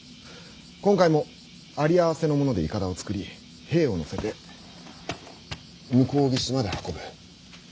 今回も有り合わせのものでいかだを作り兵を乗せて向こう岸まで運ぶ。